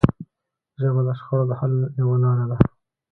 ژبه د شخړو د حل یوه لاره ده